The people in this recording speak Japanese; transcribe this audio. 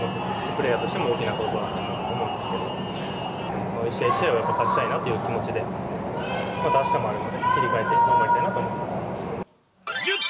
プレーヤーとしても大きなことだと思うんで、一試合、一試合、勝ちたいなという気持ちで、あしたもあるので、切り替えて頑張りたいなと思います。